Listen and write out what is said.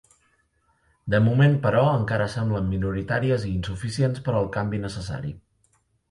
De moment, però, encara semblen minoritàries i insuficients per al canvi necessari.